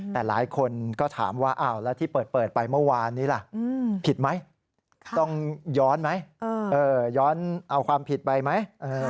แต่หลายคนก็ถามว่าแล้วที่เปิดไปเมื่อวานนี้ล่ะผิดไหมต้องย้อนไหมย้อนเอาความผิดไปไหม